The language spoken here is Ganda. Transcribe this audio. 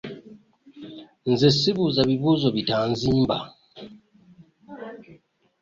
Nze sibuuza bibuuzo bitanzimba.